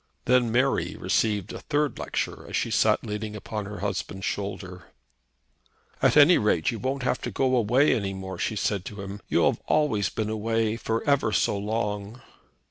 Then Mary received a third lecture as she sat leaning upon her husband's shoulder. "At any rate, you won't have to go away any more," she had said to him. "You have been always away, for ever so long."